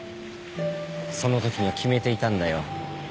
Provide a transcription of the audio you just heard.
そのときには決めていたんだよ。